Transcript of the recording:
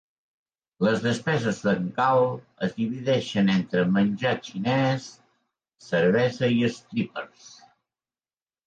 Les despeses d'en Carl es divideixen entre menjar xinès, cervesa i strippers.